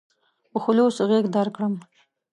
په خلوص غېږ درکړم.